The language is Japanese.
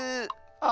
あ！